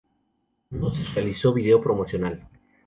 No se realizó vídeo promocional.